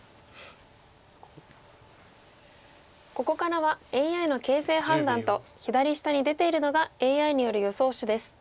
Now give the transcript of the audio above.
ここからはＡＩの形勢判断と左下に出ているのがＡＩによる予想手です。